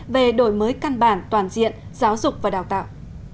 về đổi mới căn bản toàn diện giáo dục và đào tạo